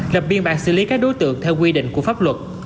lập biên bản xử lý các đối tượng theo quy định của pháp luật